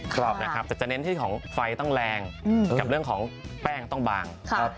แต่จะเน้นที่ของไฟต้องแรงกับเรื่องของแป้งต้องบาง